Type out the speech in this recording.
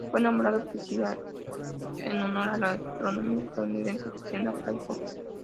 Fue nombrado Priscilla en honor a la astrónoma estadounidense Priscilla Fairfield Bok.